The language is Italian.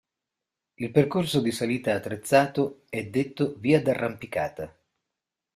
Il percorso di salita attrezzato è detto via d'arrampicata.